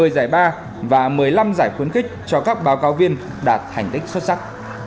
một mươi giải ba và một mươi năm giải khuấn kích cho các báo cáo viên đạt hành tích xuất sắc